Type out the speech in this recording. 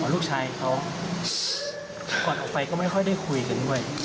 ลูกชายเขาก่อนออกไปก็ไม่ค่อยได้คุยกันด้วย